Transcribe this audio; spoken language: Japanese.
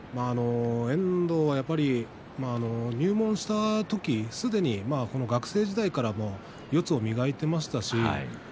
遠藤は入門した時学生時代から四つを磨いていました。